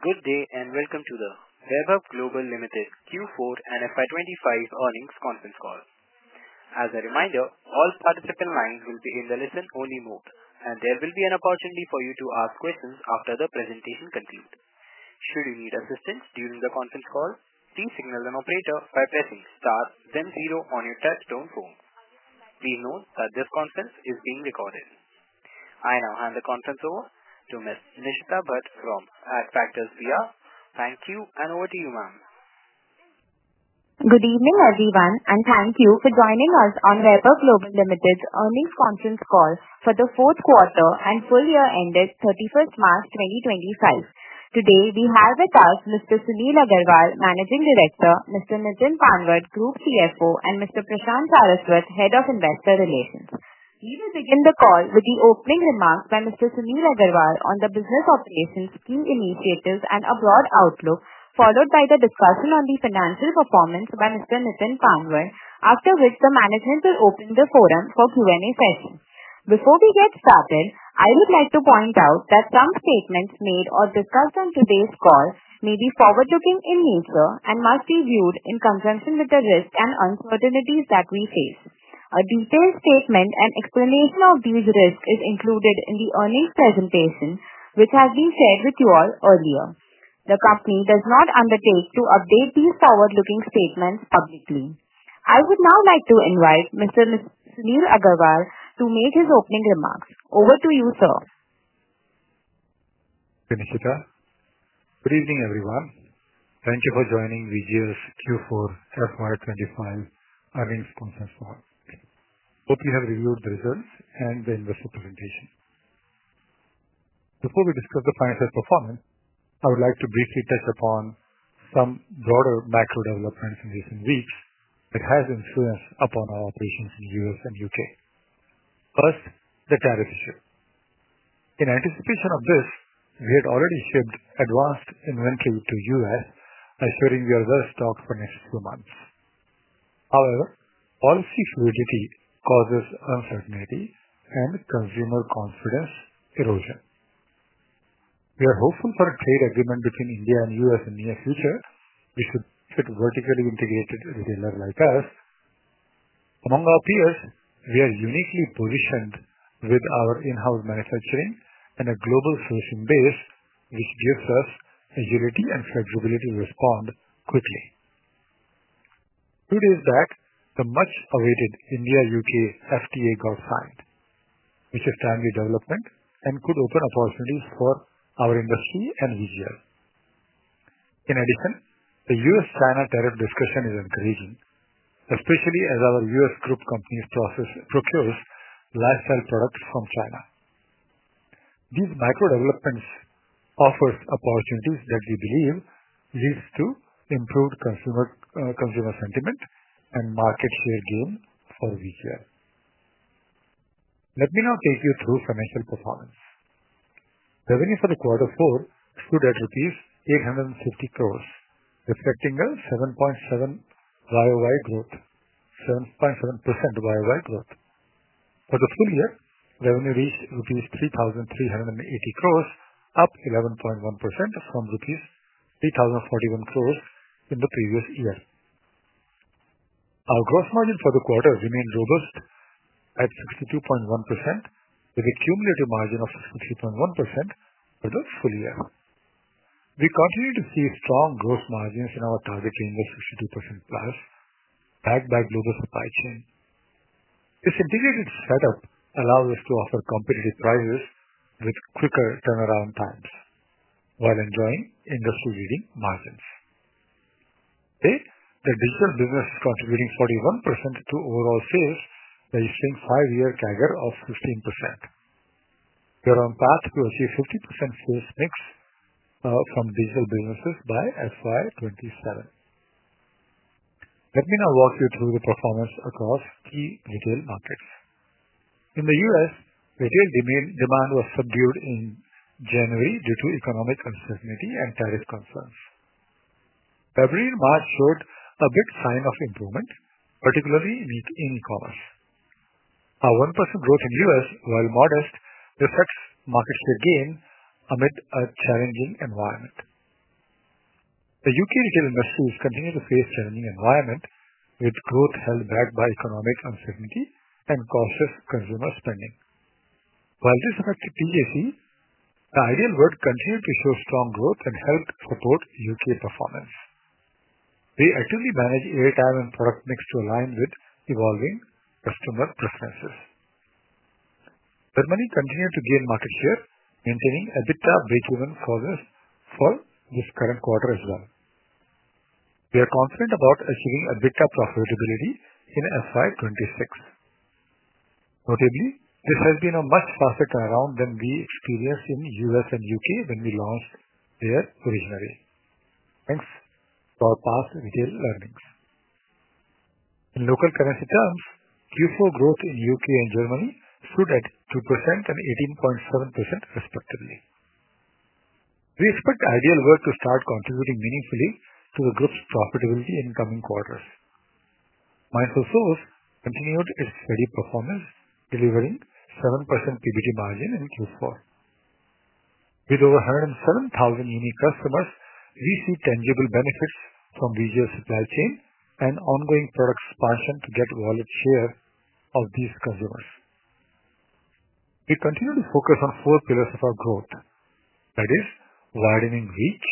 Good day and welcome to the Vaibhav Global Limited Q4 and FY25 earnings conference call. As a reminder, all participant lines will be in the listen-only mode, and there will be an opportunity for you to ask questions after the presentation concludes. Should you need assistance during the conference call, please signal an operator by pressing star, then zero on your touch-tone phone. Please note that this conference is being recorded. I now hand the conference over to Ms. Nishita Bhatt from AdFactors PR. Thank you, and over to you, ma'am. Good evening, everyone, and thank you for joining us on Vaibhav Global Limited's earnings conference call for the fourth quarter and full year ended 31st March 2025. Today, we have with us Mr. Sunil Agrawal, Managing Director; Mr. Nitin Panwad, Group CFO; and Mr. Prashant Saraswat, Head of Investor Relations. We will begin the call with the opening remarks by Mr. Sunil Agrawal on the business operations, key initiatives, and a broad outlook, followed by the discussion on the financial performance by Mr. Nitin Panwad, after which the management will open the forum for Q&A sessions. Before we get started, I would like to point out that some statements made or discussed on today's call may be forward-looking in nature and must be viewed in conjunction with the risks and uncertainties that we face. A detailed statement and explanation of these risks is included in the earnings presentation, which has been shared with you all earlier. The company does not undertake to update these forward-looking statements publicly. I would now like to invite Mr. Sunil Agrawal to make his opening remarks. Over to you, sir. Okay, Nishita. Good evening, everyone. Thank you for joining VGL's Q4 FY2025 earnings conference call. Hope you have reviewed the results and the investor presentation. Before we discuss the financial performance, I would like to briefly touch upon some broader macro developments in recent weeks that have influenced our operations in the U.S. and U.K. First, the tariff issue. In anticipation of this, we had already shipped advanced inventory to the U.S., assuring we are well stocked for the next few months. However, policy fluidity causes uncertainty and consumer confidence erosion. We are hopeful for a trade agreement between India and the US in the near future, which would benefit vertically integrated retailers like us. Among our peers, we are uniquely positioned with our in-house manufacturing and a global sourcing base, which gives us agility and flexibility to respond quickly. Two days back, the much-awaited India-U.K. FTA got signed, which is a timely development and could open opportunities for our industry and Vaibhav Global Limited. In addition, the U.S.-China tariff discussion is encouraging, especially as our U.S. group companies procure lifestyle products from China. These micro developments offer opportunities that we believe lead to improved consumer sentiment and market share gain for Vaibhav Global Limited. Let me now take you through financial performance. Revenue for quarter four stood at rupees 850 crores, reflecting a 7.7% YoY growth. For the full year, revenue reached INR 3,380 crores, up 11.1% from INR 3,041 crores in the previous year. Our gross margin for the quarter remained robust at 62.1%, with a cumulative margin of 63.1% for the full year. We continue to see strong gross margins in our target range, 62% plus, backed by global supply chain. This integrated setup allows us to offer competitive prices with quicker turnaround times while enjoying industry-leading margins. Today, the digital business is contributing 41% to overall sales, registering a five-year CAGR of 15%. We are on path to achieve a 50% sales mix from digital businesses by FY2027. Let me now walk you through the performance across key retail markets. In the U.S., retail demand was subdued in January due to economic uncertainty and tariff concerns. February and March showed a big sign of improvement, particularly in e-commerce. Our 1% growth in the U.S., while modest, reflects market share gain amid a challenging environment. The U.K. retail industry is continuing to face a challenging environment, with growth held back by economic uncertainty and cautious consumer spending. While this affected TJC, Ideal World continued to show strong growth and helped support UK performance. We actively manage airtime and product mix to align with evolving customer preferences. Germany continued to gain market share, maintaining EBITDA break-even for this current quarter as well. We are confident about achieving EBITDA profitability in FY 2026. Notably, this has been a much faster turnaround than we experienced in the U.S. and U.K. when we launched there originally, thanks to our past retail learnings. In local currency terms, Q4 growth in the U.K. and Germany stood at 2% and 18.7%, respectively. We expect Ideal World to start contributing meaningfully to the group's profitability in the coming quarters. Mindful Souls continued its steady performance, delivering a 7% PBT margin in Q4. With over 107,000 unique customers, we see tangible benefits from VGL's supply chain and ongoing product expansion to get wallet share of these consumers. We continue to focus on four pillars of our growth, that is, widening reach,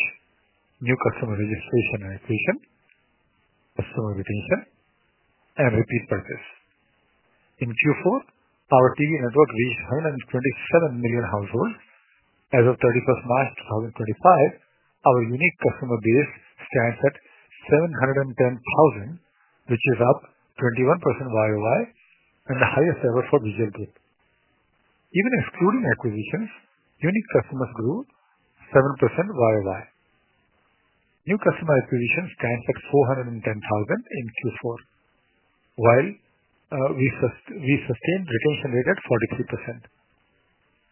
new customer registration and acquisition, customer retention, and repeat purchase. In Q4, our TV network reached 127 million households. As of 31st March 2025, our unique customer base stands at 710,000, which is up 21% YoY and the highest ever for VGL Group. Even excluding acquisitions, unique customers grew 7% YoY. New customer acquisitions stand at 410,000 in Q4, while we sustained retention rate at 43%.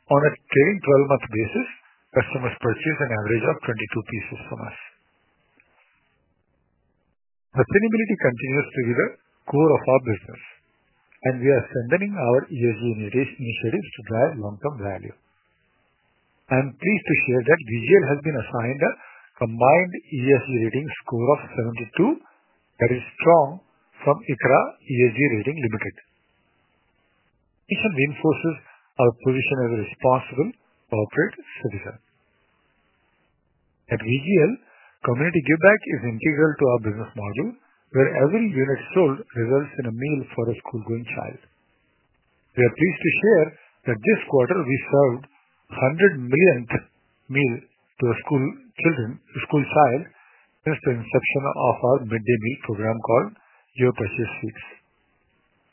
On a trailing 12-month basis, customers purchased an average of 22 pieces from us. Sustainability continues to be the core of our business, and we are strengthening our ESG initiatives to drive long-term value. I am pleased to share that VGL has been assigned a combined ESG rating score of 72, that is strong from ICRA ESG Rating Limited. This reinforces our position as a responsible corporate citizen. Vaibhav Global Limited, community give-back is integral to our business model, where every unit sold results in a meal for a school-going child. We are pleased to share that this quarter, we served the 100 millionth meal to a school child since the inception of our midday meal program called Your Purchase Feeds.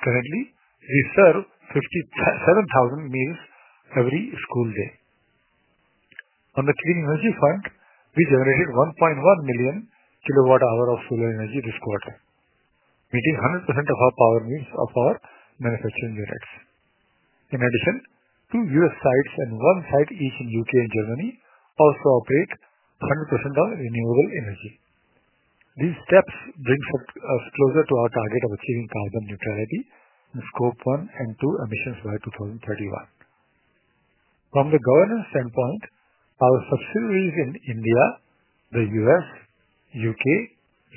Currently, we serve 57,000 meals every school day. On the clean energy front, we generated 1.1 million kilowatt-hours of solar energy this quarter, meeting 100% of our power needs of our manufacturing units. In addition, two US sites and one site each in the U.K. and Germany also operate 100% on renewable energy. These steps bring us closer to our target of achieving carbon neutrality and Scope 1 and 2 emissions by 2031. From the governance standpoint, our subsidiaries in India, the US, U.K.,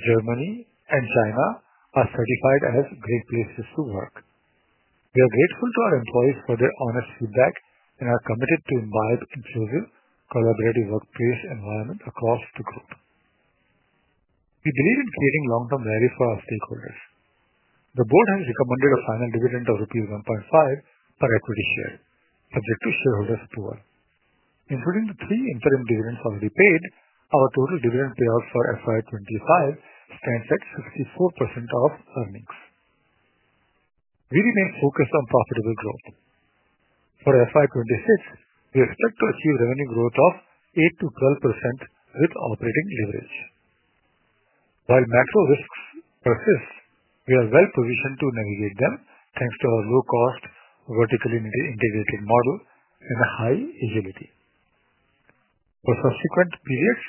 Germany, and China are certified as great places to work. We are grateful to our employees for their honest feedback and are committed to an imbalanced, inclusive, collaborative workplace environment across the group. We believe in creating long-term value for our stakeholders. The board has recommended a final dividend of rupees 1.5 per equity share, subject to shareholder approval. Including the three interim dividends already paid, our total dividend payout for FY 2025 stands at 65% of earnings. We remain focused on profitable growth. For FY 2026, we expect to achieve revenue growth of 8%-12% with operating leverage. While macro risks persist, we are well-positioned to navigate them thanks to our low-cost, vertically integrated model and high agility. For subsequent periods,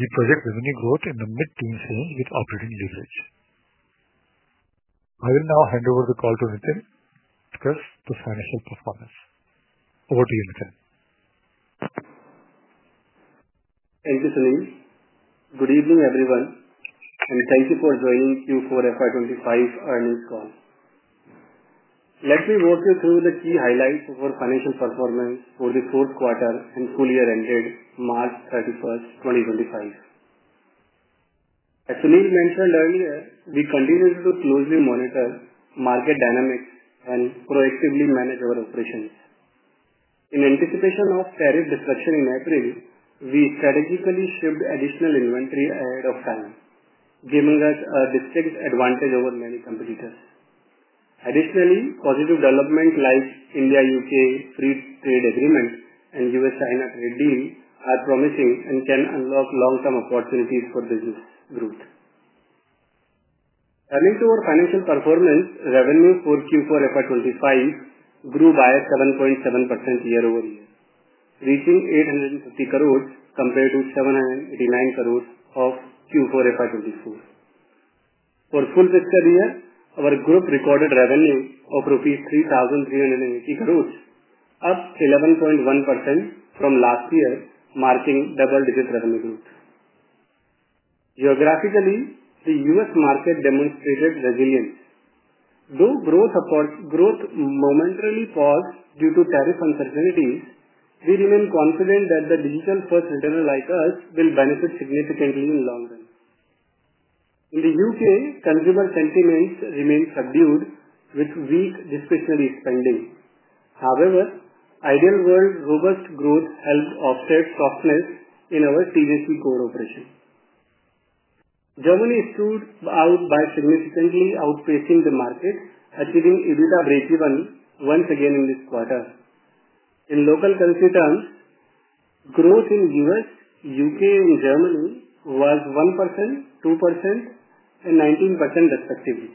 we project revenue growth in the mid-teens range with operating leverage. I will now hand over the call to Nitin to discuss the financial performance. Over to you, Nitin. Thank you, Sunil. Good evening, everyone, and thank you for joining Q4 FY25 earnings call. Let me walk you through the key highlights of our financial performance for the fourth quarter and full year ended March 31, 2025. As Sunil mentioned earlier, we continued to closely monitor market dynamics and proactively manage our operations. In anticipation of tariff destruction in April, we strategically shipped additional inventory ahead of time, giving us a distinct advantage over many competitors. Additionally, positive developments like India-U.K. free trade agreement and U.S.-China trade deal are promising and can unlock long-term opportunities for business growth. Turning to our financial performance, revenue for Q4 FY25 grew by 7.7% year over year, reaching 850 crores compared to 789 crores of Q4 FY24. For full fiscal year, our group recorded revenue of rupees 3,380 crores, up 11.1% from last year, marking double-digit revenue growth. Geographically, the U.S. market demonstrated resilience. Though growth momentarily paused due to tariff uncertainties, we remain confident that the digital-first retailer like us will benefit significantly in the long run. In the UK, consumer sentiment remained subdued, with weak discretionary spending. However, Ideal World robust growth helped offset softness in our TJC core operation. Germany stood out by significantly outpacing the market, achieving EBITDA break-even once again in this quarter. In local currency terms, growth in the US, UK, and Germany was 1%, 2%, and 19%, respectively.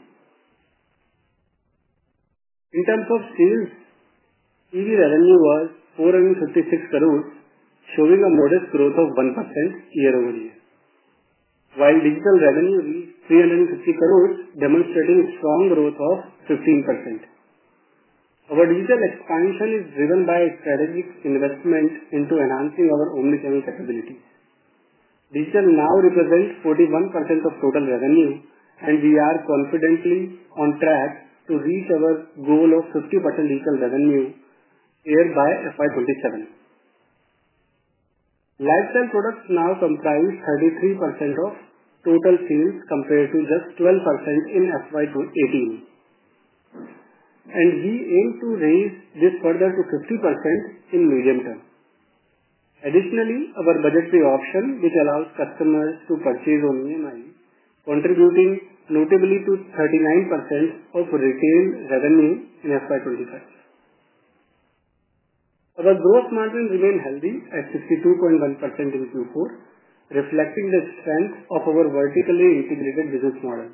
In terms of sales, TV revenue was 456 crores, showing a modest growth of 1% year over year, while digital revenue reached 350 crores rupees, demonstrating strong growth of 15%. Our digital expansion is driven by strategic investment into enhancing our omnichannel capabilities. Digital now represents 41% of total revenue, and we are confidently on track to reach our goal of 50% digital revenue by FY2027. Lifestyle products now comprise 33% of total sales compared to just 12% in FY2018, and we aim to raise this further to 50% in the medium term. Additionally, our Budget Pay option, which allows customers to purchase on EMI, contributed notably to 39% of retail revenue in FY2025. Our gross margin remained healthy at 62.1% in Q4, reflecting the strength of our vertically integrated business model.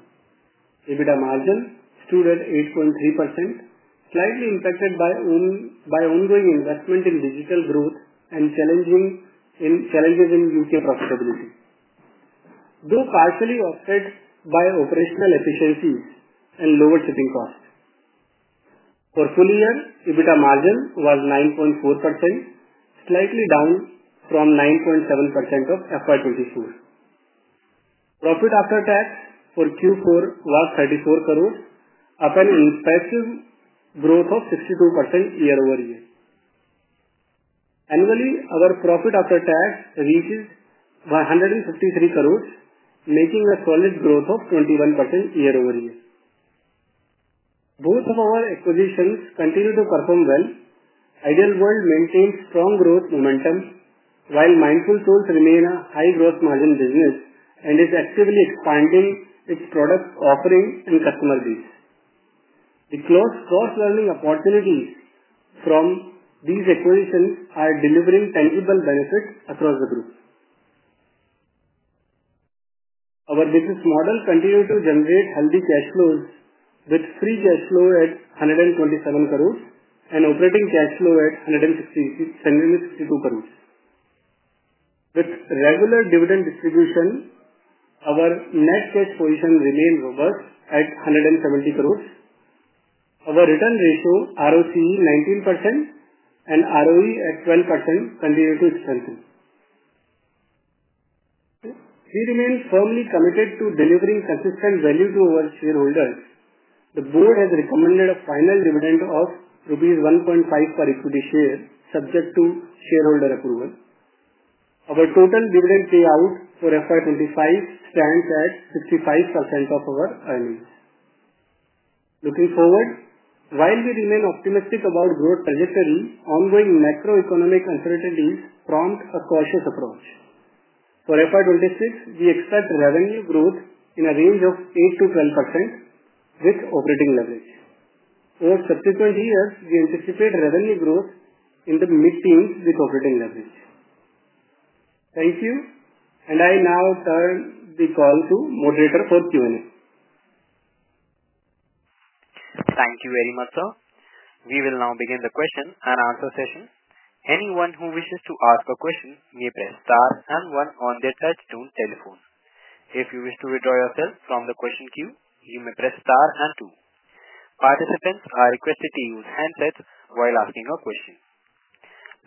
EBITDA margin stood at 8.3%, slightly impacted by ongoing investment in digital growth and challenges in U.K. profitability, though partially offset by operational efficiencies and lower shipping costs. For the full year, EBITDA margin was 9.4%, slightly down from 9.7% of FY2024. Profit after tax for Q4 was INR 34 crores, up an impressive growth of 62% year over year. Annually, our profit after tax reaches 153 crores, making a solid growth of 21% year over year. Both of our acquisitions continue to perform well. Ideal World maintains strong growth momentum, while Mindful Souls remains a high-growth margin business and is actively expanding its product offering and customer base. The cross-learning opportunities from these acquisitions are delivering tangible benefits across the group. Our business model continues to generate healthy cash flows, with free cash flow at 127 crores and operating cash flow at 162 crores. With regular dividend distribution, our net cash position remains robust at 170 crores. Our return ratio, ROCE, is 19%, and ROE at 12% continues to strengthen. We remain firmly committed to delivering consistent value to our shareholders. The board has recommended a final dividend of rupees 1.5 per equity share, subject to shareholder approval. Our total dividend payout for FY 2025 stands at 65% of our earnings. Looking forward, while we remain optimistic about growth trajectory, ongoing macroeconomic uncertainties prompt a cautious approach. For FY2026, we expect revenue growth in a range of 8%-12% with operating leverage. Over subsequent years, we anticipate revenue growth in the mid-teens with operating leverage. Thank you, and I now turn the call to moderator for Q&A. Thank you very much, sir. We will now begin the question and answer session. Anyone who wishes to ask a question may press star and one on their touch-tone telephone. If you wish to withdraw yourself from the question queue, you may press star and two. Participants are requested to use handsets while asking a question.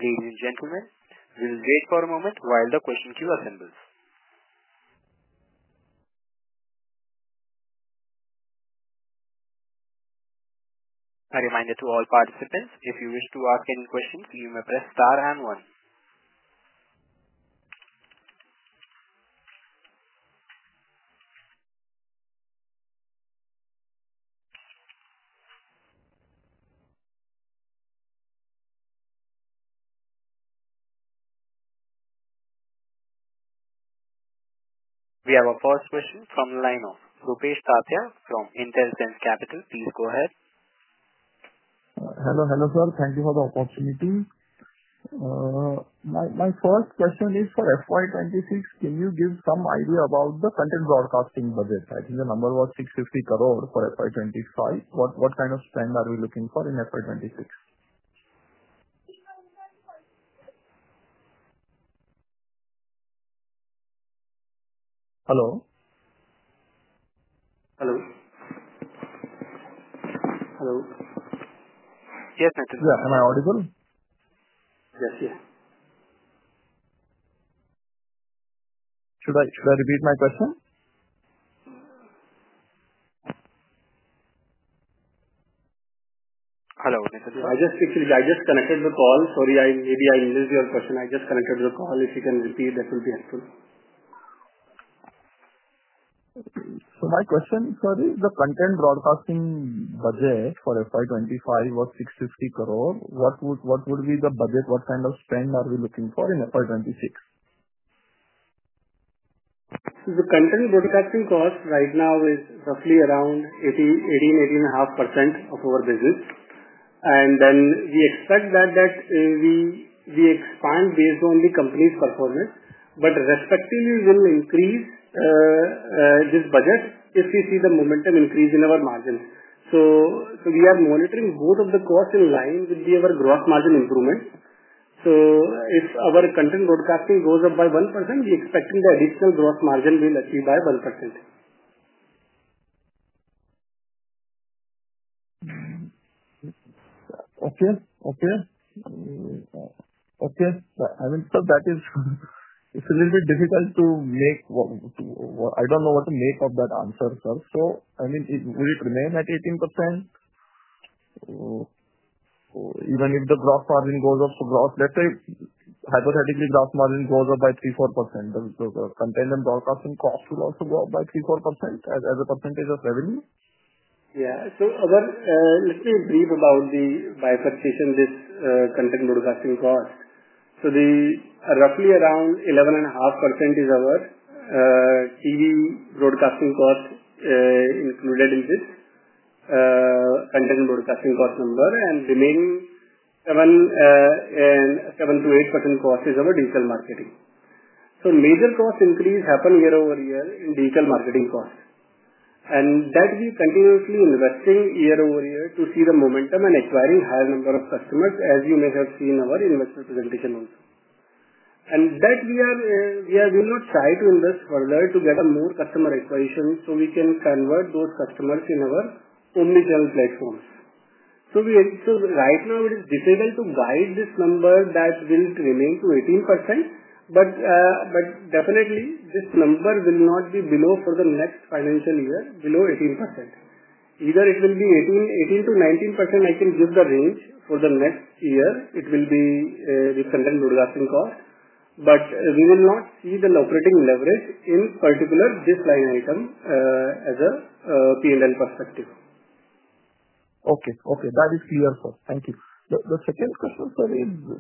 Ladies and gentlemen, we will wait for a moment while the question queue assembles. A reminder to all participants, if you wish to ask any questions, you may press star and one. We have a first question from Rupesh Tatiya from IntelliSense Capital. Please go ahead. Hello, hello, sir. Thank you for the opportunity. My first question is for FY2026. Can you give some idea about the content broadcasting budget? I think the number was 650 crore for FY2025. What kind of spend are we looking for in FY2026? Hello. Hello. Hello. Yes, Nitin. Yeah. Am I audible? Yes, yes. Should I repeat my question? Hello, Nitin. I just connected the call. Sorry, maybe I missed your question. I just connected the call. If you can repeat, that will be helpful. My question, sorry, the content broadcasting budget for FY 2025 was 650 crore. What would be the budget? What kind of spend are we looking for in FY 2026? The content broadcasting cost right now is roughly around 18%-18.5% of our business. We expect that we expand based on the company's performance, but respectively, we will increase this budget if we see the momentum increase in our margins. We are monitoring both of the costs in line with our gross margin improvement. If our content broadcasting goes up by 1%, we are expecting the additional gross margin will achieve by 1%. Okay. I mean, sir, that is a little bit difficult to make. I don't know what to make of that answer, sir. I mean, will it remain at 18%? Even if the gross margin goes up, so gross, let's say hypothetically, gross margin goes up by 3%-4%, the content and broadcasting cost will also go up by 3%-4% as a percentage of revenue? Yeah. Let me brief about the bifurcation of this content broadcasting cost. Roughly around 11.5% is our TV broadcasting cost included in this content broadcasting cost number, and remaining 7%-8% cost is our digital marketing. Major cost increase happened year over year in digital marketing cost. We are continuously investing year over year to see the momentum and acquiring a higher number of customers, as you may have seen in our investor presentation also. We will not try to invest further to get more customer acquisition so we can convert those customers in our omnichannel platforms. Right now, it is difficult to guide this number that will remain at 18%, but definitely, this number will not be below, for the next financial year, below 18%. Either it will be 18%-19%, I can give the range for the next year. It will be the content broadcasting cost. We will not see the operating leverage in particular this line item as a P&L perspective. Okay, okay. That is clear, sir. Thank you. The second question, sir,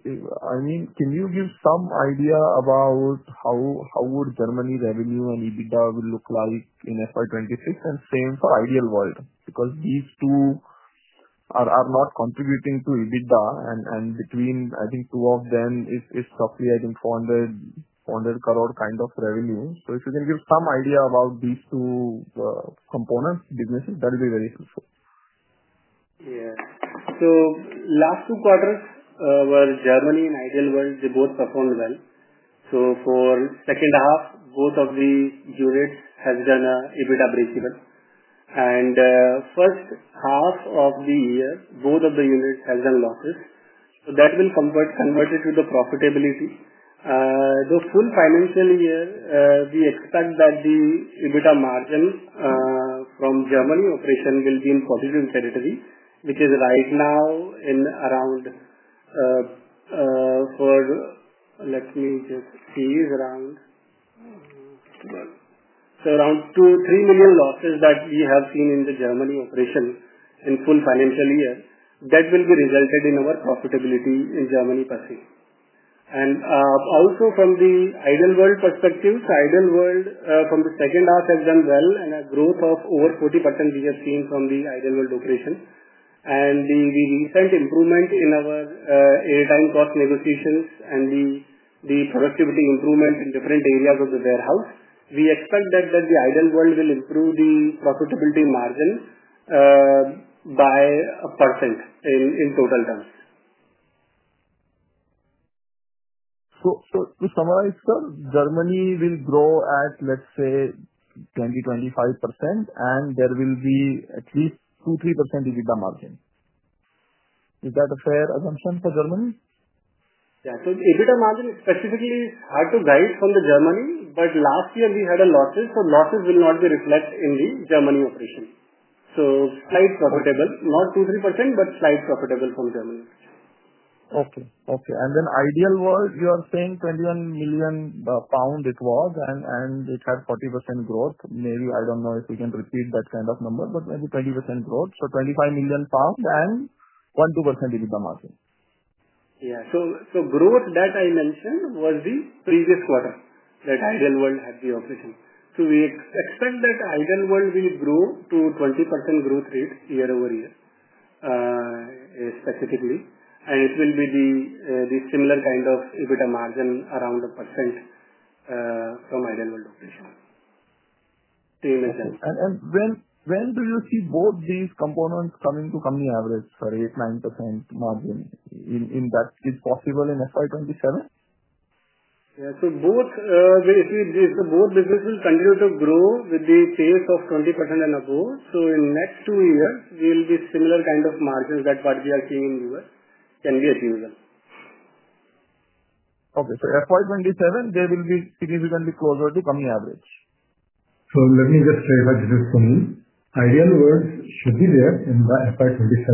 is, I mean, can you give some idea about how would Germany's revenue and EBITDA look like in FY2026 and same for Ideal World? Because these two are not contributing to EBITDA, and between, I think, two of them is roughly, I think, 400 crore kind of revenue. So if you can give some idea about these two components, businesses, that would be very helpful. Yeah. Last two quarters were Germany and Ideal World. They both performed well. For the second half, both of the units have done EBITDA break-even. First half of the year, both of the units have done losses. That will convert it to the profitability. The full financial year, we expect that the EBITDA margin from Germany operation will be in positive territory, which is right now in around, let me just see, is around, so around 2 million to 3 million losses that we have seen in the Germany operation in full financial year. That will be resulted in our profitability in Germany per se. Also from the Ideal World perspective, Ideal World from the second half has done well and a growth of over 40% we have seen from the Ideal World operation. The recent improvement in our airtime cost negotiations and the productivity improvement in different areas of the warehouse, we expect that Ideal World will improve the profitability margin by 1% in total terms. To summarize, sir, Germany will grow at, let's say, 20%-25%, and there will be at least 2%-3% EBITDA margin. Is that a fair assumption for Germany? Yeah. EBITDA margin specifically is hard to guide from the Germany, but last year, we had losses, so losses will not be reflected in the Germany operation. Slight profitable, not 2%, 3%, but slight profitable from Germany. Okay, okay. And then Ideal World, you are saying 21 million pound it was, and it had 40% growth. Maybe, I don't know if we can repeat that kind of number, but maybe 20% growth. So 25 million pounds and 1%-2% EBITDA margin. Yeah. Growth that I mentioned was the previous quarter that Ideal World had the operation. We expect that Ideal World will grow to 20% growth rate year over year, specifically. It will be the similar kind of EBITDA margin, around 8%, from Ideal World operation. Same as that. When do you see both these components coming to company average, sorry, 8%-9% margin? Is that possible in FY2027? Yeah. So if both businesses continue to grow with the pace of 20% and above, in the next two years, similar kind of margins that what we are seeing in the US can be achieved. Okay. So FY2027, they will be significantly closer to company average. Let me just clarify just for me. Ideal World should be there in FY2027.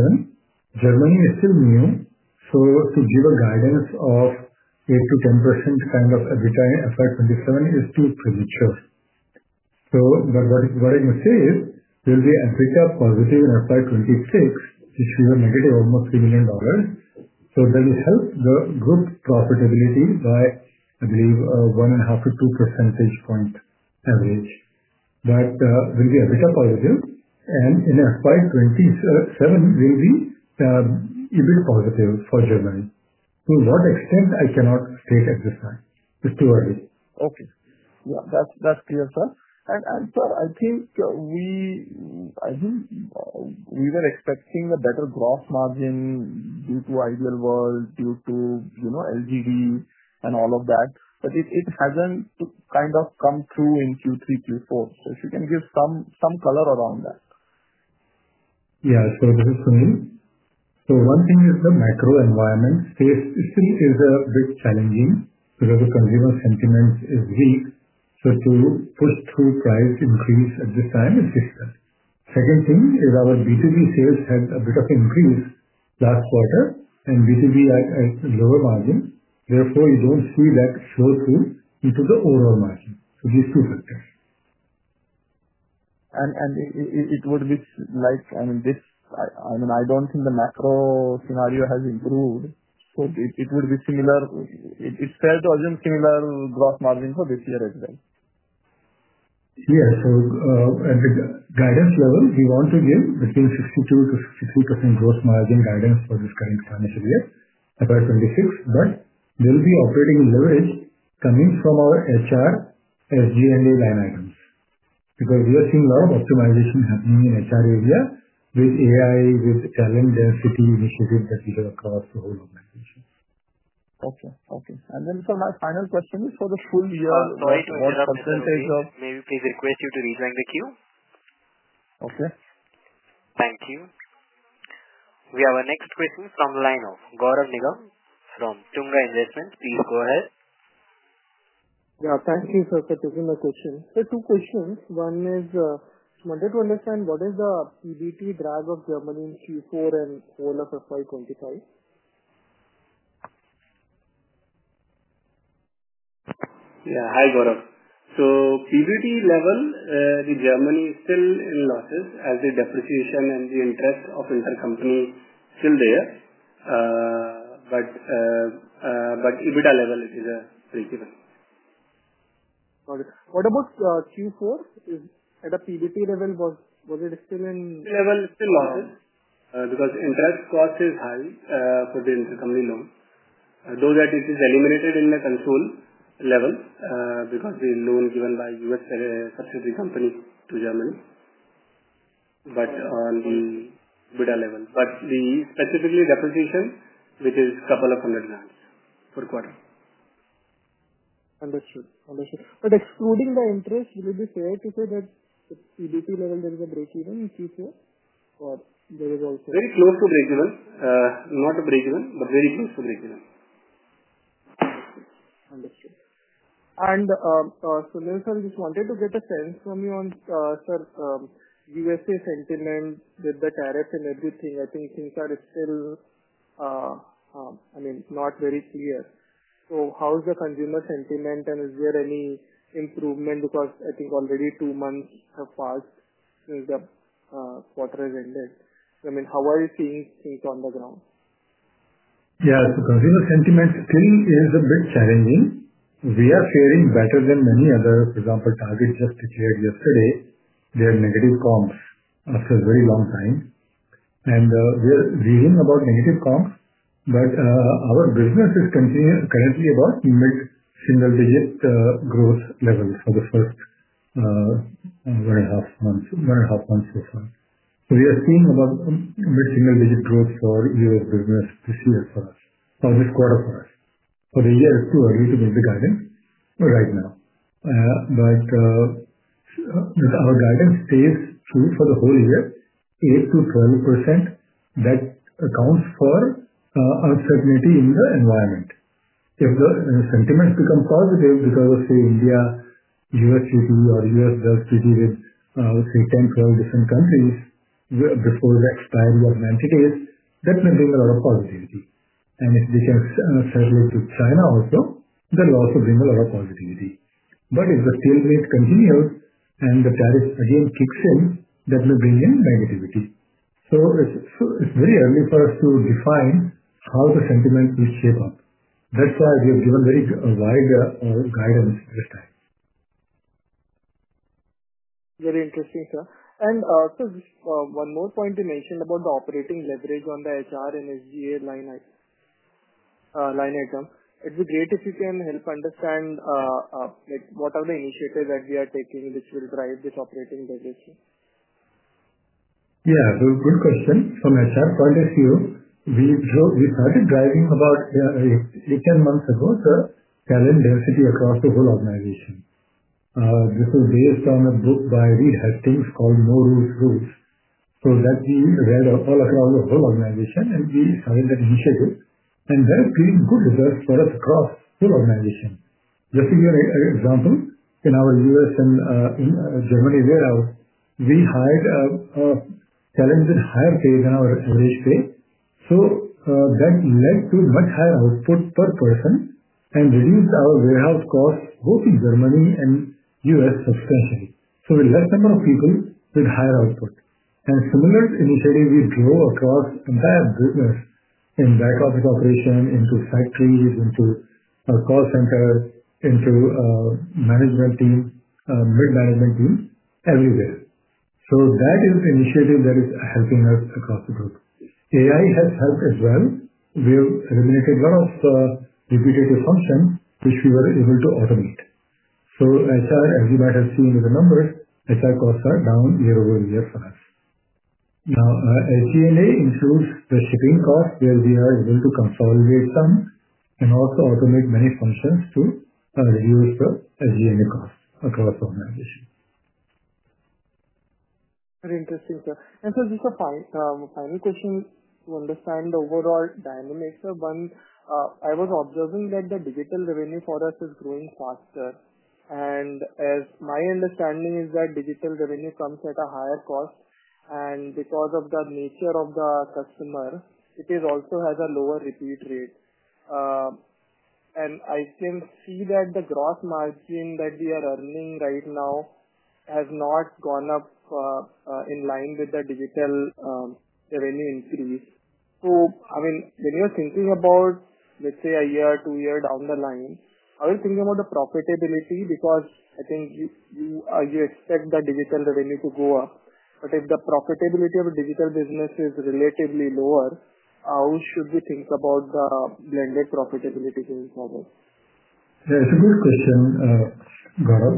Germany is still new. To give a guidance of 8%-10% kind of EBITDA in FY2027 is too premature. What I can say is there will be EBITDA positive in FY2026, which we were negative almost $3 million. That will help the group profitability by, I believe, 1.5-2 percentage points average. There will be EBITDA positive. In FY2027, there will be EBITDA positive for Germany. To what extent I cannot state at this time. It is too early. Okay. Yeah. That is clear, sir. And sir, I think we were expecting a better gross margin due to Ideal World, due to LGV and all of that. It has not kind of come through in Q3, Q4. If you can give some color around that. Yeah. This is for me. One thing is the macro environment still is a bit challenging because the consumer sentiment is weak. To push through price increase at this time is difficult. Second thing is our B2B sales had a bit of increase last quarter, and B2B had lower margin. Therefore, you do not see that flow through into the overall margin. These two factors. I mean, I don't think the macro scenario has improved. It would be similar. It's fair to assume similar gross margin for this year as well. Yes. At the guidance level, we want to give between 62%-63% gross margin guidance for this current financial year, FY2026. There will be operating leverage coming from our HR, SG&A line items because we are seeing a lot of optimization happening in the HR area with AI, with talent density initiatives that we have across the whole organization. Okay, okay. And then sir, my final question is for the full year. Sorry to interrupt. May we please request you to rejoin the queue? Okay. Thank you. We have a next question from Guarav Nigam from Tunga Investment. Please go ahead. Yeah. Thank you, sir, for taking my question. Sir, two questions. One is, I wanted to understand what is the PBT drag of Germany in Q4 and all of FY25? Yeah. Hi, Guarav. PBT level in Germany is still in losses as the depreciation and the interest of intercompany is still there. At EBITDA level, it is break-even. Got it. What about Q4? At the PBT level, was it still in losses? PBT level is still losses because interest cost is high for the intercompany loan. Though that it is eliminated in the console level because the loan given by US subsidiary company to Germany, but on the EBITDA level. The specifically depreciation, which is a couple of hundred grand per quarter. Understood. Understood. Excluding the interest, would it be fair to say that at PBT level, there is a break-even in Q4, or there is also? Very close to break-even. Not a break-even, but very close to break-even. Understood. Understood. Nitin, sir, I just wanted to get a sense from you on, sir, USA sentiment with the tariffs and everything. I think things are still, I mean, not very clear. How is the consumer sentiment, and is there any improvement? I think already two months have passed since the quarter has ended. I mean, how are you seeing things on the ground? Yeah. Consumer sentiment still is a bit challenging. We are faring better than many others. For example, Target just declared yesterday their negative comps after a very long time. We are reading about negative comps, but our business is currently about mid-single-digit growth level for the first one and a half months so far. We are seeing about mid-single-digit growth for US business this year for us, or this quarter for us. For the year, it's too early to give the guidance right now. Our guidance stays true for the whole year, 8%-12%. That accounts for uncertainty in the environment. If the sentiments become positive because of, say, India, US GDP, or US GDP with, say, 10, 12 different countries before the expiry of 90 days, that may bring a lot of positivity. If they can circulate to China also, that will also bring a lot of positivity. If the tailwind continues and the tariff again kicks in, that may bring in negativity. It is very early for us to define how the sentiment will shape up. That is why we have given very wide guidance this time. Very interesting, sir. Sir, one more point, you mentioned about the operating leverage on the HR and SG&A line item. It would be great if you can help understand what are the initiatives that we are taking which will drive this operating leverage. Yeah. Good question. From HR point of view, we started driving about 8-10 months ago, sir, talent density across the whole organization. This was based on a book by Reed Hastings called No Rules Rules. That we read all across the whole organization, and we started that initiative. That created good results for us across the whole organization. Just to give you an example, in our US and Germany warehouse, we hired talent with higher pay than our average pay. That led to much higher output per person and reduced our warehouse costs, both in Germany and US, substantially. We had fewer people with higher output. Similar initiative, we drove across the entire business in back office operation, into factories, into call centers, into management team, mid-management team, everywhere. That is the initiative that is helping us across the group. AI has helped as well. We have eliminated a lot of repetitive functions which we were able to automate. HR, as you might have seen in the numbers, HR costs are down year over year for us. Now, SG&A includes the shipping costs where we are able to consolidate some and also automate many functions to reduce the SG&A costs across the organization. Very interesting, sir. And sir, just a final question to understand the overall dynamics, sir. One, I was observing that the digital revenue for us is growing faster. And as my understanding is that digital revenue comes at a higher cost. And because of the nature of the customer, it also has a lower repeat rate. And I can see that the gross margin that we are earning right now has not gone up in line with the digital revenue increase. I mean, when you're thinking about, let's say, a year, two years down the line, I was thinking about the profitability because I think you expect the digital revenue to go up. But if the profitability of a digital business is relatively lower, how should we think about the blended profitability going forward? Yeah. It's a good question, Gaurav.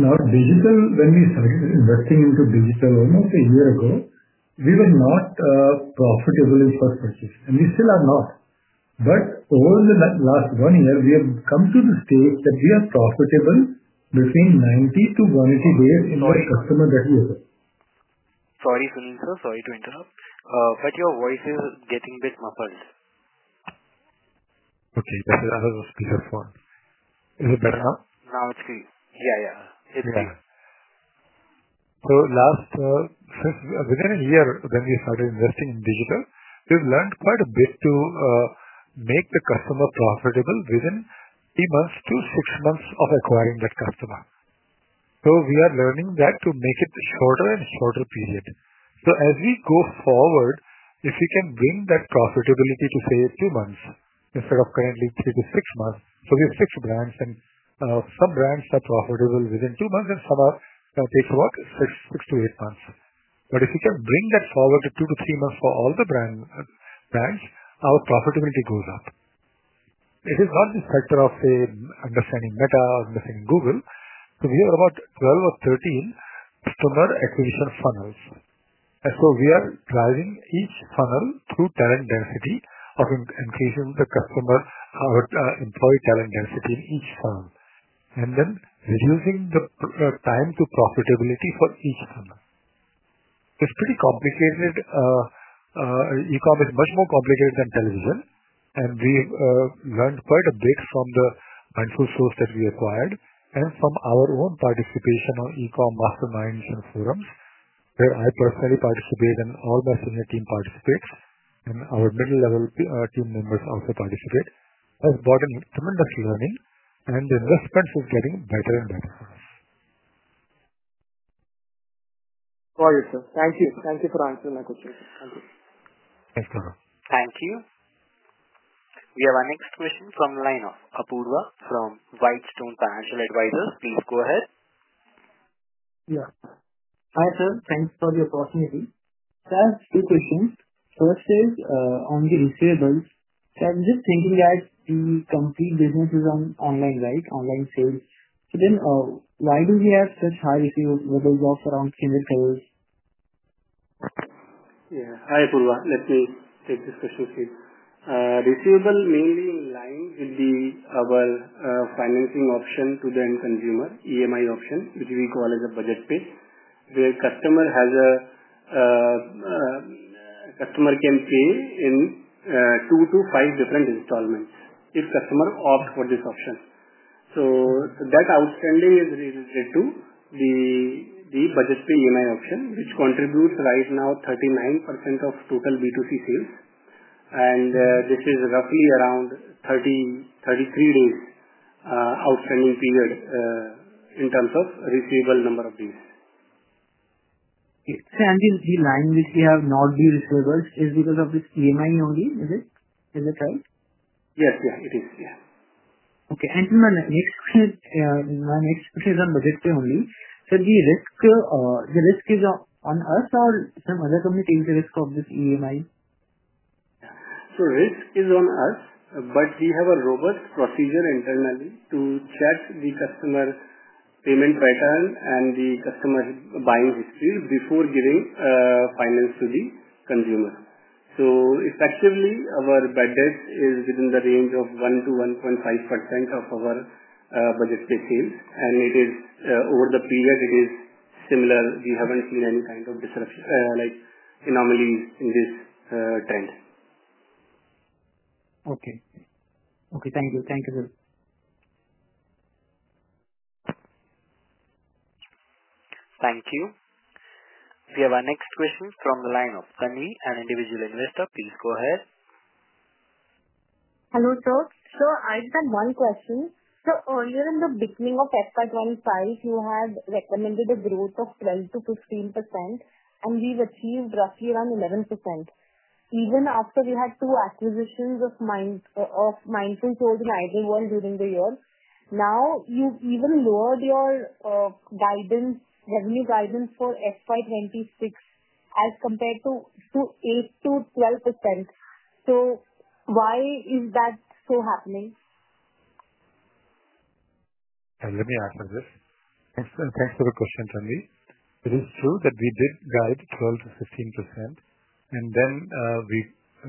Now, digital, when we started investing into digital almost a year ago, we were not profitable in first purchase. And we still are not. Over the last one year, we have come to the stage that we are profitable between 90-180 days in the customer that we have. Sorry, Sunil sir. Sorry to interrupt. Your voice is getting a bit muffled. Okay. That's because of the speakerphone. Is it better now? Now it's clear. Yeah, it's clear. Last, since within a year when we started investing in digital, we've learned quite a bit to make the customer profitable within three months to six months of acquiring that customer. We are learning that to make it shorter and shorter period. As we go forward, if we can bring that profitability to, say, two months instead of currently three to six months, we have six brands, and some brands are profitable within two months, and some take about six to eight months. If we can bring that forward to two to three months for all the brands, our profitability goes up. It is not the factor of, say, understanding Meta or understanding Google. We have about 12 or 13 customer acquisition funnels. We are driving each funnel through talent density of increasing the customer or employee talent density in each funnel and then reducing the time to profitability for each funnel. It is pretty complicated. E-com is much more complicated than television. We have learned quite a bit from the Mindful Souls that we acquired and from our own participation on e-com masterminds and forums where I personally participate and all my senior team participates, and our middle-level team members also participate. That has brought in tremendous learning, and the investment is getting better and better for us. Got it, sir. Thank you. Thank you for answering my question. Thank you. Thanks, Gaurav. Thank you. We have a next question from Apoorv from Whitestone Financial Advisors. Please go ahead. Yes. Hi, sir. Thanks for the opportunity. Sir, a few questions. First is on the receivables. Sir, I'm just thinking that the complete business is online, right? Online sales. So then why do we have such high receivables around skin and clothes? Yeah. Hi, Apoorv. Let me take this question to you. Receivable mainly in line with our financing option to the end consumer, EMI option, which we call as Budget Pay, where customer can pay in two to five different installments if customer opts for this option. That outstanding is related to the Budget Pay EMI option, which contributes right now 39% of total B2C sales. This is roughly around 33 days outstanding period in terms of receivable number of days. Okay. The line which we have, not the receivables, is because of this EMI only, is it? Is it right? Yes, yeah. It is. Yeah. Okay. My next question is on Budget Pay only. Sir, the risk is on us or some other company takes the risk of this EMI? Risk is on us, but we have a robust procedure internally to check the customer payment pattern and the customer buying history before giving finance to the consumer. Effectively, our budget is within the range of 1%-1.5% of our Budget Pay sales. Over the period, it is similar. We have not seen any kind of disruption like anomalies in this trend. Okay. Okay. Thank you. Thank you, sir. Thank you. We have a next question from Lino, Sunil, an individual investor. Please go ahead. Hello, sir. Sir, I just have one question. Earlier in the beginning of FY2025, you had recommended a growth of 12%-15%, and we've achieved roughly around 11%. Even after we had two acquisitions of Mindful Souls and Ideal World during the year, now you've even lowered your revenue guidance for FY2026 as compared to 8%-12%. Why is that still happening? Let me answer this. Thanks for the question, Sunil. It is true that we did guide 12%-15%, and then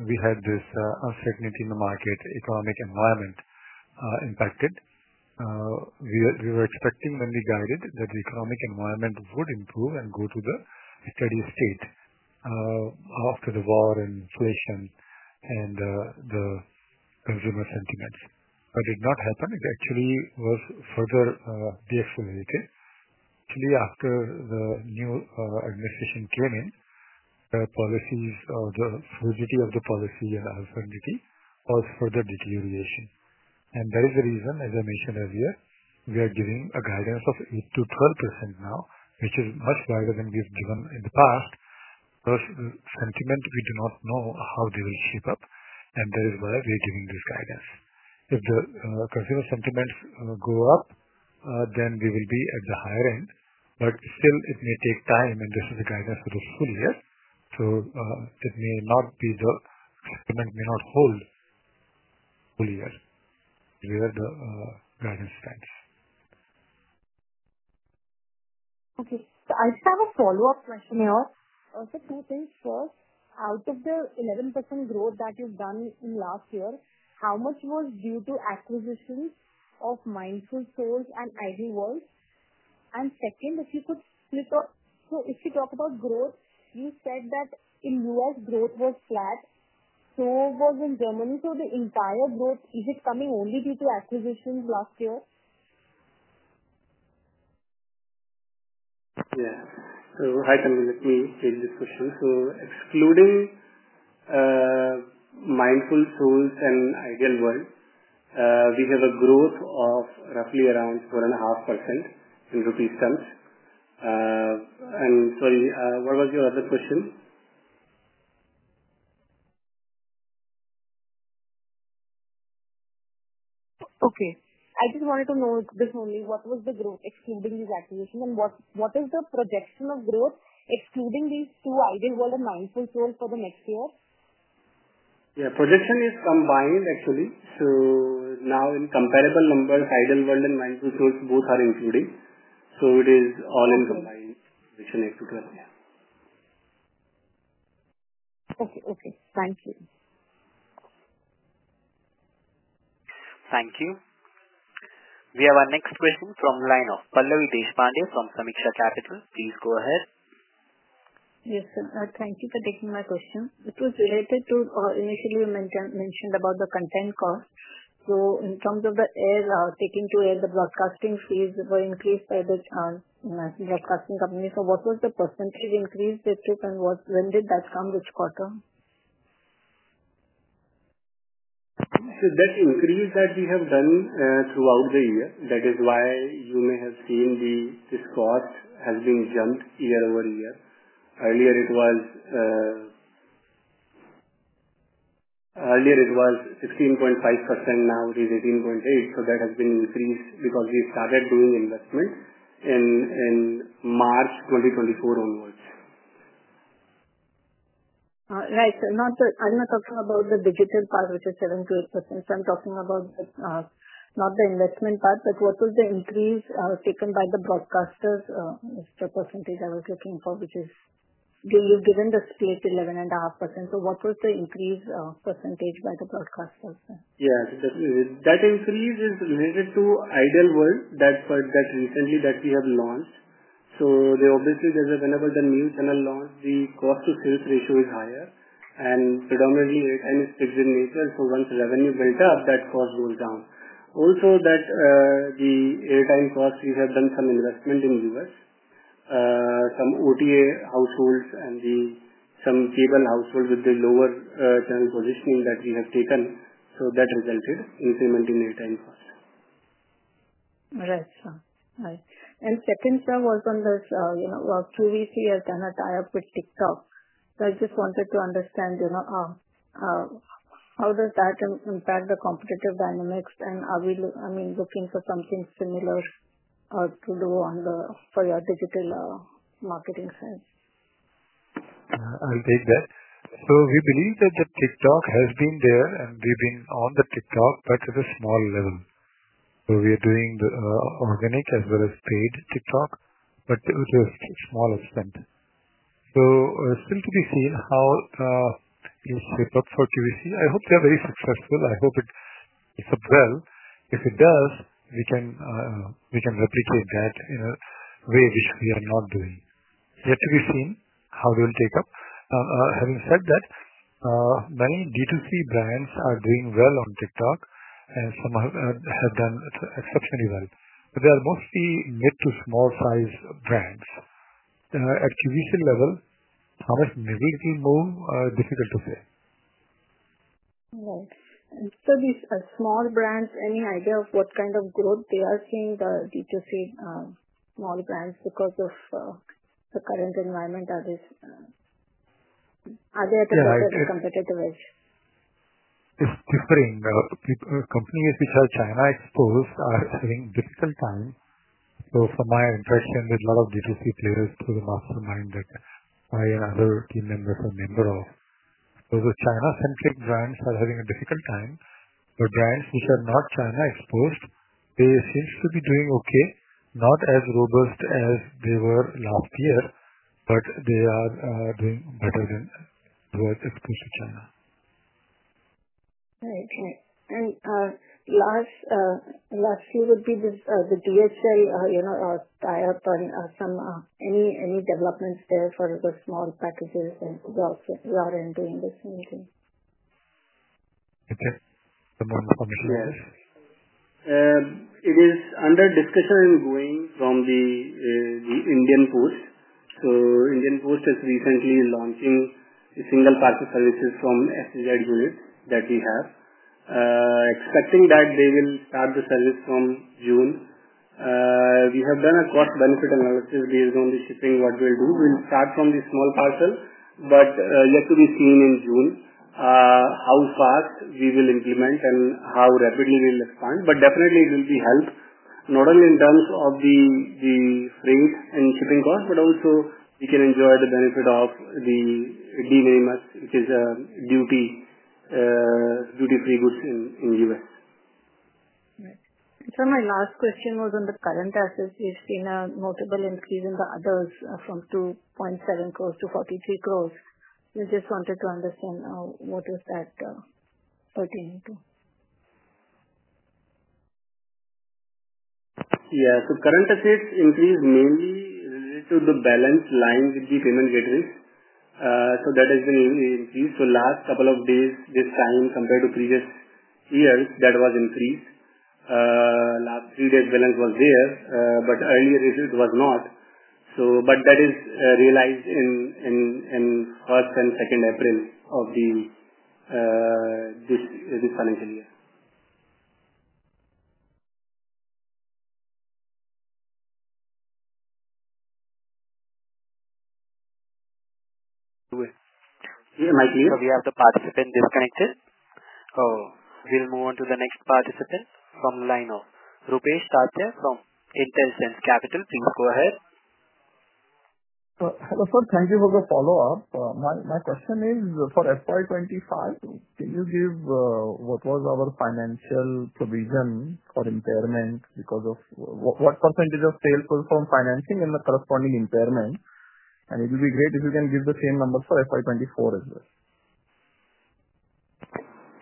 we had this uncertainty in the market, economic environment impacted. We were expecting when we guided that the economic environment would improve and go to the steady state after the war and inflation and the consumer sentiments. It did not happen. It actually was further deaccelerated. Actually, after the new administration came in, the policies or the fluidity of the policy and uncertainty was further deterioration. That is the reason, as I mentioned earlier, we are giving a guidance of 8%-12% now, which is much higher than we've given in the past. Plus, sentiment, we do not know how they will shape up, and that is why we are giving this guidance. If the consumer sentiments go up, then we will be at the higher end. Still, it may take time, and this is a guidance for the full year. It may not be the sentiment may not hold the full year where the guidance stands. Okay. So I just have a follow-up question here. Just two things. First, out of the 11% growth that you've done in last year, how much was due to acquisitions of Mindful Souls and Ideal World? And second, if you could split up. If you talk about growth, you said that in the US, growth was flat. So was in Germany. The entire growth, is it coming only due to acquisitions last year? Yeah. Hi, Sunil. Let me take this question. Excluding Mindful Souls and Ideal World, we have a growth of roughly around 4.5% in rupee terms. Sorry, what was your other question? Okay. I just wanted to know this only. What was the growth excluding these acquisitions? And what is the projection of growth excluding these two, Ideal World and Mindful Souls, for the next year? Yeah. Projection is combined, actually. So now in comparable numbers, Ideal World and Mindful Souls, both are included. So it is all in combined projection 8%-12%. Okay. Okay. Thank you. Thank you. We have a next question from Pallavi Deshpande from Sameeksha Capital. Please go ahead. Yes, sir. Thank you for taking my question. It was related to initially you mentioned about the content cost. In terms of the air, taking to air, the broadcasting fees were increased by the broadcasting company. What was the percentage increase that took? And when did that come? Which quarter? That increase that we have done throughout the year, that is why you may have seen this cost has jumped year over year. Earlier, it was 16.5%. Now it is 18.8%. That has increased because we started doing investment in March 2024 onwards. Right. I'm not talking about the digital part, which is 7-8%. I'm talking about not the investment part. What was the increase taken by the broadcasters? It's the percentage I was looking for, which is you've given the split 11.5%. What was the increase percentage by the broadcasters? Yeah. That increase is related to Ideal World that recently that we have launched. Obviously, whenever the new channel launched, the cost-to-sales ratio is higher. Predominantly, airtime is fixed in nature. Once revenue built up, that cost goes down. Also, the airtime cost, we have done some investment in the US, some OTA households, and some cable households with the lower channel positioning that we have taken. That resulted in increment in airtime cost. Right. Second, sir, was on this QVC has done a tie-up with TikTok. I just wanted to understand how does that impact the competitive dynamics? Are we, I mean, looking for something similar to do for your digital marketing side? I'll take that. We believe that TikTok has been there, and we've been on TikTok, but at a small level. We are doing the organic as well as paid TikTok, but it is a small expense. Still to be seen how it will shape up for QVC. I hope they are very successful. I hope it shapes up well. If it does, we can replicate that in a way which we are not doing. Yet to be seen how they will take up. Having said that, many B2C brands are doing well on TikTok, and some have done exceptionally well. They are mostly mid to small-sized brands. At QVC level, how much they will move, difficult to say. Right. And these small brands, any idea of what kind of growth they are seeing, the B2C small brands, because of the current environment? Are they at a competitive edge? It's different. Companies which are China-exposed are having a difficult time. From my interaction with a lot of B2C players, through the mastermind that I and other team members are a member of, those China-centric brands are having a difficult time. Brands which are not China-exposed seem to be doing okay, not as robust as they were last year, but they are doing better than those exposed to China. Right. Right. Last few would be the DHL tie-up on any developments there for the small packages? You are doing the same thing? Okay. One more question, please. Yes. It is under discussion and going from the India Post. India Post is recently launching single-packet services from uncertin that we have. Expecting that they will start the service from June. We have done a cost-benefit analysis based on the shipping what we'll do. We'll start from the small parcel, yet to be seen in June how fast we will implement and how rapidly we'll respond. It will definitely be helped, not only in terms of the freight and shipping cost, but also we c.......an enjoy the benefit of the de minimis which is a duty-free goods in the US. Right. Sir, my last question was on the current assets. We've seen a notable increase in the others from 2.7 crores to 43 crores. We just wanted to understand what does that pertain to? Yeah. Current assets increase mainly related to the balance line with the payment gateways. That has been increased. Last couple of days, this time compared to previous years, that was increased. Last three-day balance was there, but earlier it was not. That is realized in first and second April of this financial year. Am I clear? We have the participant disconnected. Oh. We'll move on to the next participant from LINO. Rupesh Tatya from IntelliSense Capital. Please go ahead. Hello, sir. Thank you for the follow-up. My question is for FY 2025, can you give what was our financial provision for impairment because of what percentage of sales perform financing and the corresponding impairment? It would be great if you can give the same number for FY 2024 as well.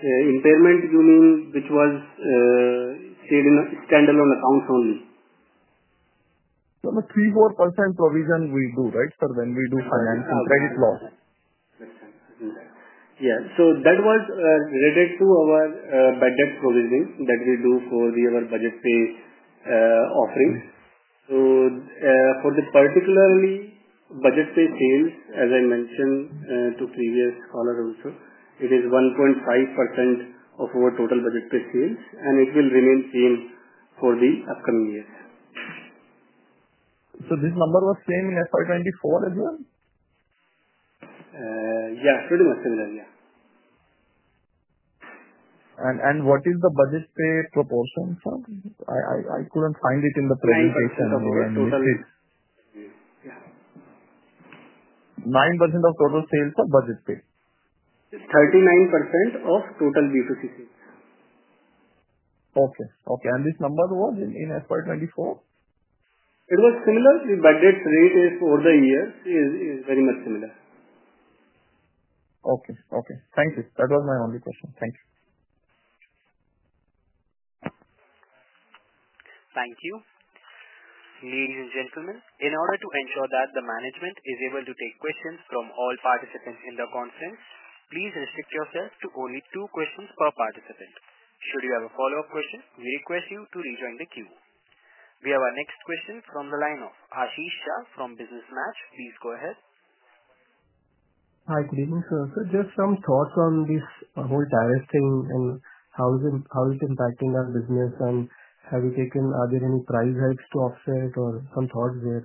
Impairment, you mean which was stated in standalone accounts only? Three, four percent provision we do, right, sir, when we do financial credit loss? Yeah. So that was related to our budget provisioning that we do for the Budget Pay offering. For the particularly Budget Pay sales, as I mentioned to previous caller also, it is 1.5% of our total Budget Pay sales, and it will remain same for the upcoming years. Was this number the same in FY 2024 as well? Yeah. Pretty much similar. Yeah. What is the Budget Pay proportion, sir? I couldn't find it in the presentation. 9% of total sales. 9% of total sales or Budget Pay? 39% of total B2C sales. Okay. Okay. And this number was in FY 2024? It was similar. The budget rate for the year is very much similar. Okay. Okay. Thank you. That was my only question. Thank you. Thank you. Ladies and gentlemen, in order to ensure that the management is able to take questions from all participants in the conference, please restrict yourself to only two questions per participant. Should you have a follow-up question, we request you to rejoin the queue. We have our next question from the line of Ashish Shah from Business Match. Please go ahead. Hi. Good evening, sir. Sir, just some thoughts on this whole tariff thing and how it's impacting our business, and have you taken, are there any price hikes to offset or some thoughts there?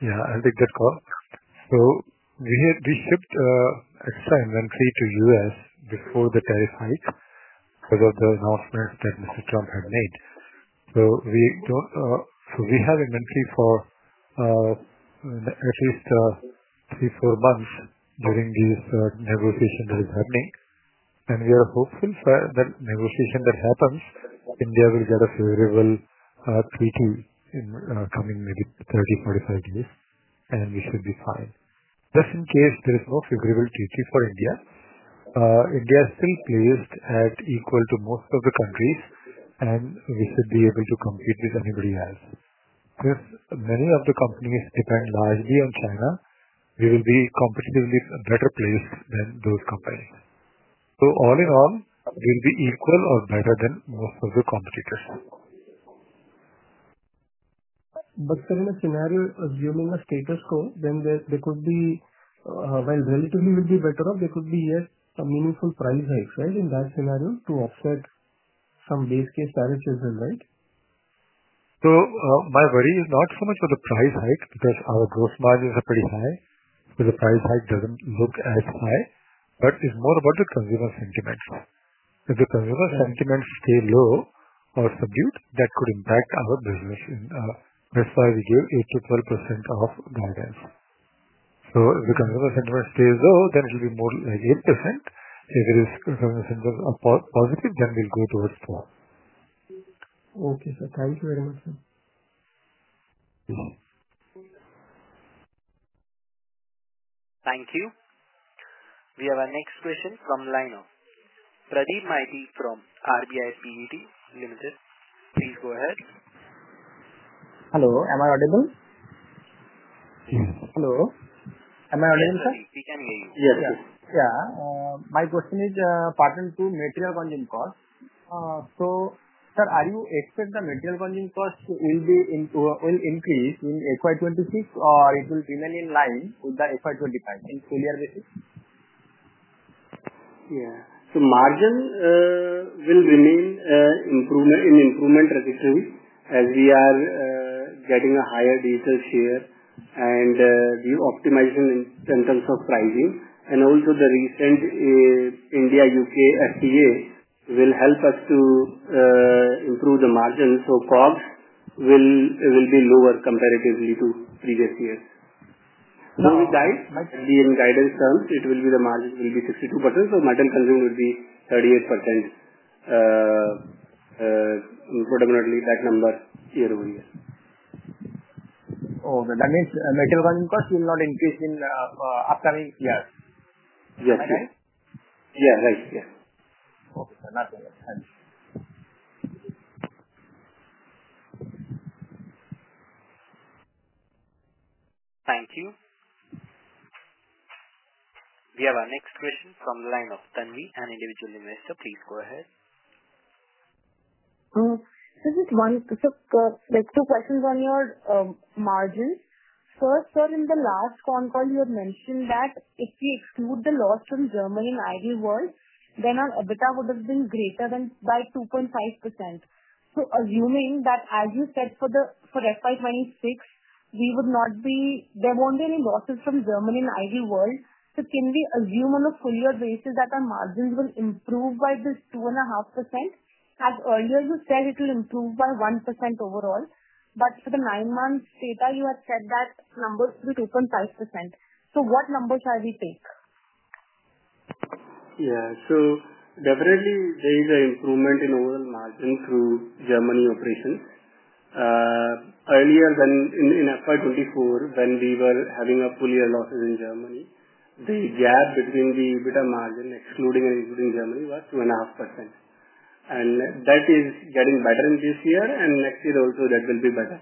Yeah. I'll take that call. We shipped extra inventory to the US before the tariff hike because of the announcements that Mr. Trump had made. We have inventory for at least three to four months during these negotiations that are happening. We are hopeful that negotiation that happens, India will get a favorable treaty coming maybe 30-45 days, and we should be fine. Just in case there is no favorable treaty for India, India is still placed at equal to most of the countries, and we should be able to compete with anybody else. Since many of the companies depend largely on China, we will be competitively better placed than those companies. All in all, we will be equal or better than most of the competitors. Sir, in a scenario assuming a status quo, then there could be, while relatively we'll be better off, there could be yet some meaningful price hikes, right, in that scenario to offset some base case tariffs as well, right? My worry is not so much for the price hike because our gross margins are pretty high, so the price hike does not look as high. It is more about the consumer sentiments. If the consumer sentiments stay low or subdued, that could impact our business. That is why we give 8%-12% of guidance. If the consumer sentiment stays low, then it will be more like 8%. If consumer sentiments are positive, then we will go towards 12%. Okay, sir. Thank you very much, sir. Thank you. We have our next question from LINO. Pradeep Maiti from RBI PET. Please go ahead. Hello. Am I audible? Yes. Hello. Am I audible, sir? Yes, we can hear you. Yes. Yes. Yeah. My question is part and to material consumed cost. So sir, are you expect the material consumed cost will increase in FY 2026 or it will remain in line with the FY 2025 in full year basis? Yeah. Margin will remain in improvement trajectory as we are getting a higher digital share and the optimization in terms of pricing. Also, the recent India-UK FTA will help us to improve the margin. COGS will be lower comparatively to previous years. With that, in guidance terms, the margin will be 62%. Metal consumed will be 38%. Predominantly that number year over year. Oh, that means metal consumed cost will not increase in upcoming years. Yes. Right? Yeah. Right. Yeah. Okay. Nothing else. Thank you. Thank you. We have our next question from LINO, Tanvi, an individual investor. Please go ahead. Just one quick two questions on your margins. First, sir, in the last phone call, you had mentioned that if we exclude the loss from Germany and Ideal World, then our EBITDA would have been greater than by 2.5%. Assuming that, as you said, for FY2026, there won't be any losses from Germany and Ideal World, can we assume on a full year basis that our margins will improve by this 2.5%? As earlier you said, it will improve by 1% overall. For the nine-month data, you had said that numbers will be 2.5%. What numbers shall we take? Yeah. So definitely, there is an improvement in overall margin through Germany operations. Earlier in FY2024, when we were having full year losses in Germany, the gap between the EBITDA margin excluding and including Germany was 2.5%. That is getting better in this year, and next year also that will be better.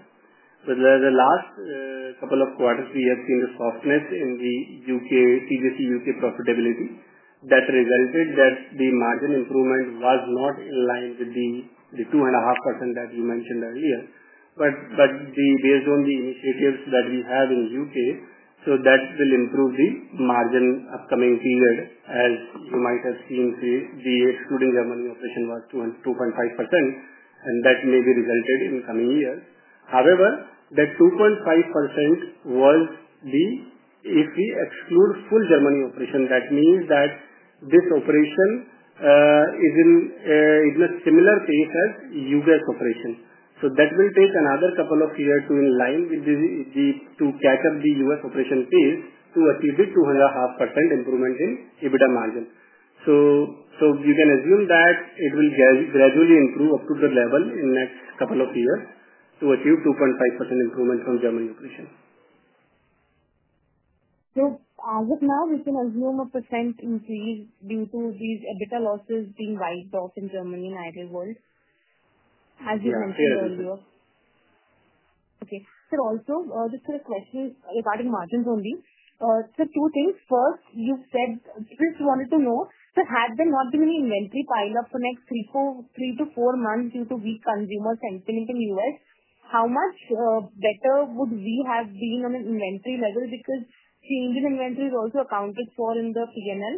The last couple of quarters, we have seen the softness in the UK. TJC UK profitability. That resulted in the margin improvement not being in line with the 2.5% that you mentioned earlier. Based on the initiatives that we have in the UK, that will improve the margin in the upcoming period as you might have seen. The excluding Germany operation was 2.5%, and that may be resulted in coming years. However, that 2.5% was the, if we exclude full Germany operation, that means that this operation is in a similar pace as US operation. That will take another couple of years to, in line with the, to catch up the US operation pace to achieve the 2.5% improvement in EBITDA margin. You can assume that it will gradually improve up to the level in the next couple of years to achieve 2.5% improvement from Germany operation. As of now, we can assume a % increase due to these EBITDA losses being wiped off in Germany and Ideal World, as you mentioned earlier. Yes. Okay. Also, just a question regarding margins only. Two things. First, you said just wanted to know, sir, had there not been any inventory piled up for the next three to four months due to weak consumer sentiment in the US, how much better would we have been on an inventory level because change in inventory is also accounted for in the P&L?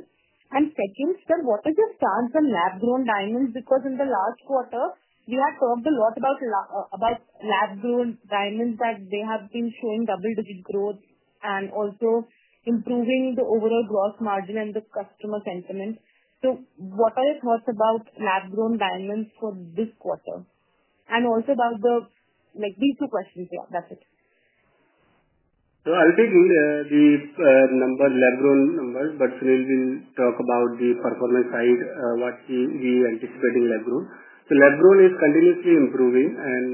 Second, sir, what is your stance on lab-grown diamonds? In the last quarter, we have talked a lot about lab-grown diamonds, that they have been showing double-digit growth and also improving the overall gross margin and the customer sentiment. What are your thoughts about lab-grown diamonds for this quarter? Also about these two questions. Yeah. That's it. I'll take the lab-grown numbers, but Sunil will talk about the performance side, what we are anticipating for lab-grown. Lab-grown is continuously improving, and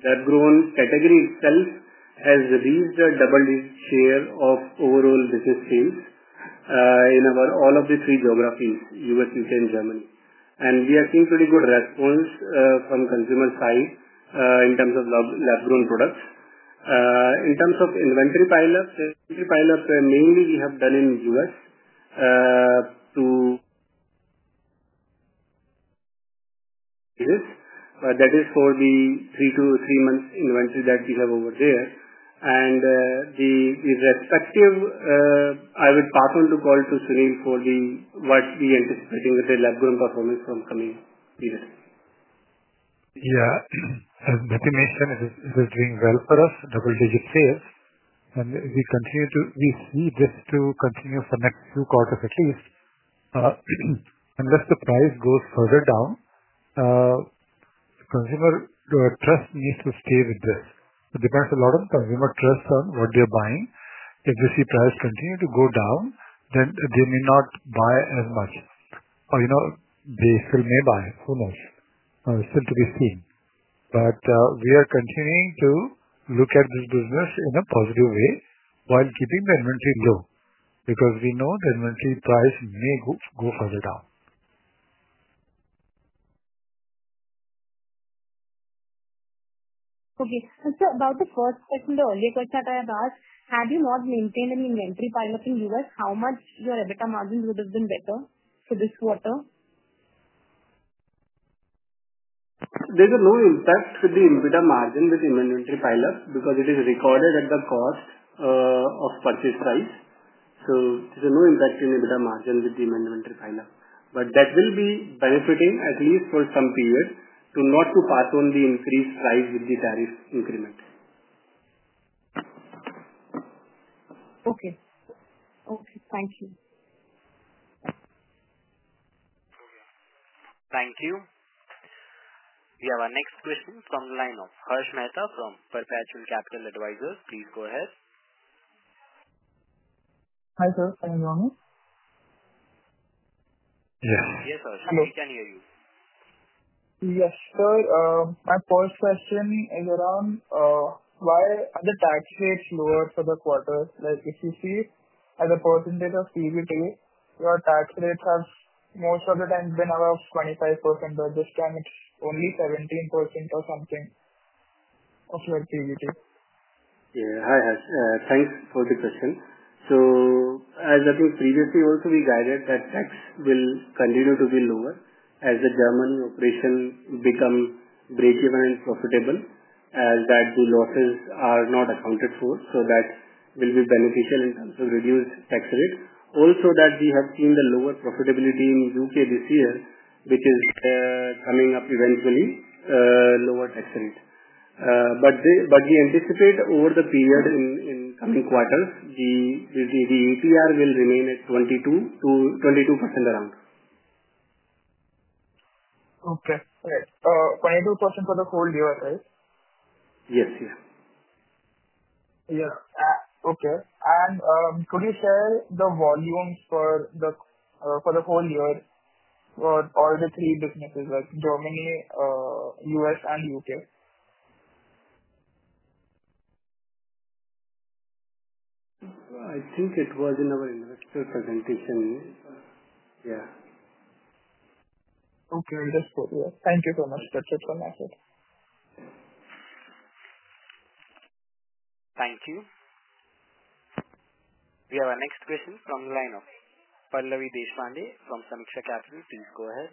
the lab-grown category itself has reached a double-digit share of overall business sales in all of the three geographies, US, UK, and Germany. We are seeing pretty good response from the consumer side in terms of lab-grown products. In terms of inventory pile, mainly we have done in US, that is for the three-month inventory that we have over there. I would pass on the call to Sunil for what we are anticipating for the lab-grown performance for the coming period. Yeah. As Nitin mentioned, it is doing well for us, double-digit sales. We continue to see this to continue for the next two quarters at least. Unless the price goes further down, consumer trust needs to stay with this. It depends a lot on consumer trust on what they're buying. If we see price continue to go down, then they may not buy as much. Or they still may buy. Who knows? Still to be seen. We are continuing to look at this business in a positive way while keeping the inventory low because we know the inventory price may go further down. Okay. Sir, about the first question, the earlier question that I had asked, had you not maintained an inventory pile-up in the US, how much your EBITDA margin would have been better for this quarter? There's no impact with the EBITDA margin with inventory pile-up because it is recorded at the cost of purchase price. So there's no impact in EBITDA margin with the inventory pile-up. That will be benefiting at least for some period to not to pass on the increased price with the tariff increment. Okay. Okay. Thank you. Thank you. We have our next question from Harsh Mehra from Perpetual Capital Advisors. Please go ahead. Hi, sir. Can you hear me? Yes. Yes, sir. We can hear you. Yes, sir. My first question is around why are the tax rates lower for the quarter? If you see at the percentage of PBT, your tax rates have most of the time been around 25%, but this time it's only 17% or something of your PBT. Yeah. Hi, Harsh. Thanks for the question. As I think previously also we guided that tax will continue to be lower as the German operation become breakeven and profitable, as that the losses are not accounted for. That will be beneficial in terms of reduced tax rate. Also, we have seen the lower profitability in the U.K. this year, which is coming up eventually, lower tax rate. We anticipate over the period in coming quarters, the ATR will remain at around 22%. Okay. All right. 22% for the whole year, right? Yes. Yeah. Yes. Okay. Could you share the volumes for the whole year for all the three businesses, like Germany, US, and UK? I think it was in our investor presentation. Yeah. Okay. Just for you. Thank you so much. That's it from my side. Thank you. We have our next question from Pallavi Deshpande from Sameeksha Capital. Please go ahead.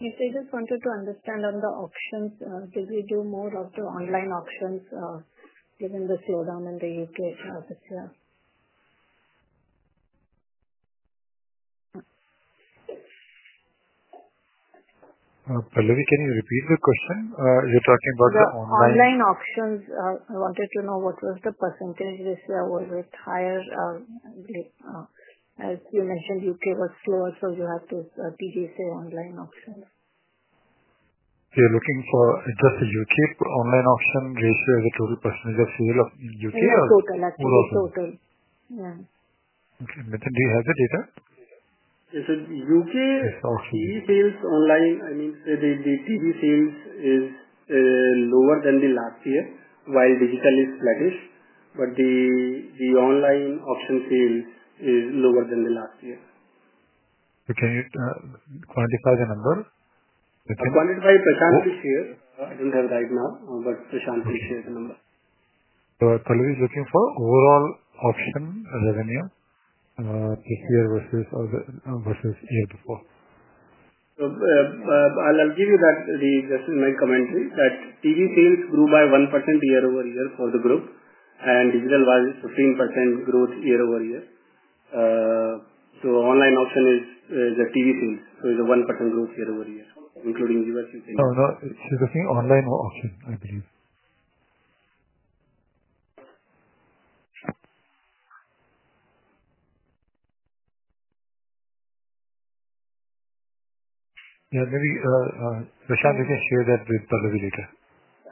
Yes. I just wanted to understand on the auctions. Did we do more of the online auctions given the slowdown in the UK this year? Pallavi, can you repeat the question? You're talking about the online? Yes. Online auctions. I wanted to know what was the percentage ratio? Was it higher? As you mentioned, UK was slower, so you have this TJC online auction. You're looking for just the UK online auction ratio as a total % of sale of UK or? Yeah. Total. Actually, total. Yeah. Okay. Nitin, do you have the data? Yes. UK TV sales online, I mean, the TV sales is lower than the last year, while digital is flattish. I mean, the online auction sales is lower than the last year. Can you quantify the number? I'll quantify Prashant's share. I don't have it right now, but Prashant shared the number. Pallavi is looking for overall auction revenue this year versus the year before. I'll give you that just in my commentary that TV sales grew by 1% year over year for the group, and digital was 15% growth year over year. Online auction is the TV sales. It's a 1% growth year over year, including US, UK. No, no. She's looking online auction, I believe. Yeah. Maybe Prashant can share that with Pallavi later.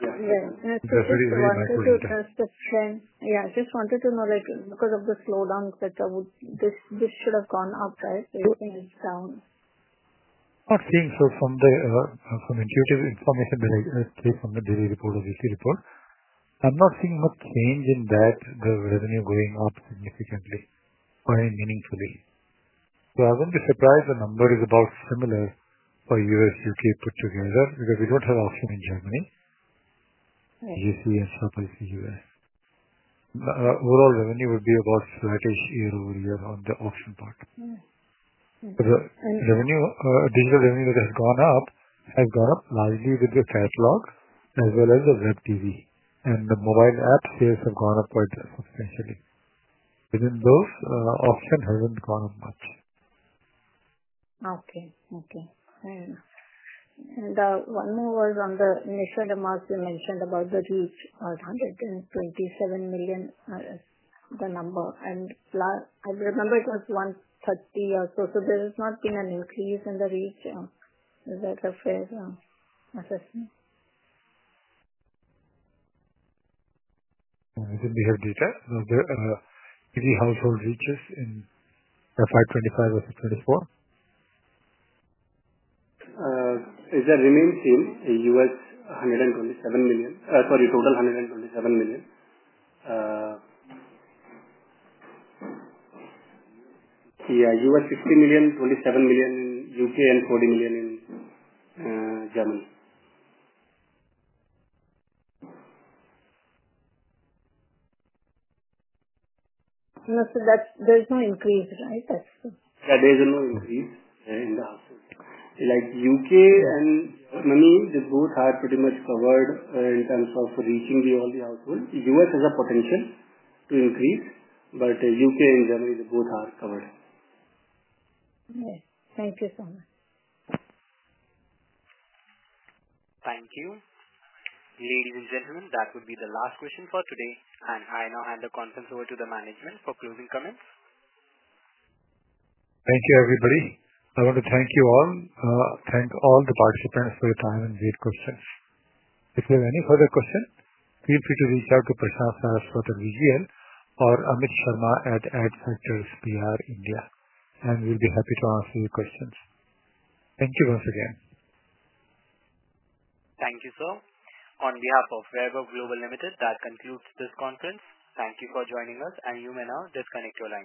Yes. That's my question. Yeah. I just wanted to know because of the slowdown, this should have gone up, right? Everything is down. I'm not seeing so from the intuitive information that I take from the daily report or weekly report. I'm not seeing much change in that the revenue going up significantly or meaningfully. I wouldn't be surprised the number is about similar for US, UK put together because we don't have auction in Germany, UC, and sub-ICU. Overall revenue would be about flattish year over year on the auction part. The digital revenue that has gone up has gone up largely with the catalog as well as the web TV. The mobile app sales have gone up quite substantially. Within those, auction hasn't gone up much. Okay. Okay. One more was on the initial amounts you mentioned about the reach at 127 million, the number. I remember it was 130 or so. There has not been an increase in the reach. Is that a fair assessment? Do we have data? The TV household reaches in FY2025 versus 2024? It remains the same. $127 million, sorry, total $127 million. Yeah. $60 million U.S., 27 million in UK, and 40 million in Germany. No, so there's no increase, right? Yeah. There is no increase in the household. Like UK and Germany, they both are pretty much covered in terms of reaching all the household. US has a potential to increase, but UK and Germany, they both are covered. Yes. Thank you so much. Thank you. Ladies and gentlemen, that would be the last question for today. I now hand the conference over to the management for closing comments. Thank you, everybody. I want to thank you all. Thank all the participants for your time and great questions. If you have any further question, feel free to reach out to Prashant Saraswat at VGL or Amit Sharma at Ad Factors PR India. We will be happy to answer your questions. Thank you once again. Thank you, sir. On behalf of Vaibhav Global Limited, that concludes this conference. Thank you for joining us, and you may now disconnect your line.